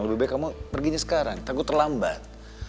lebih baik kamu perginya sekarang aku terlambat